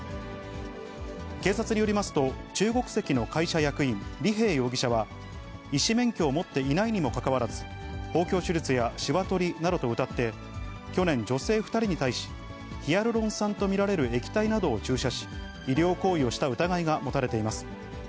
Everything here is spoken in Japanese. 警察によりますと、中国籍の会社役員、李平容疑者は、医師免許を持っていないにもかかわらず、豊胸手術やしわ取りなどとうたって、去年、女性２人に対し、ヒアルロン酸と見られる液体などを注射し、医療行為をした疑いが持たれています。